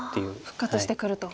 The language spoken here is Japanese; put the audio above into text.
復活してくると。